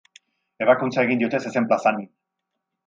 Ebakuntza egin diote zezen-plazan.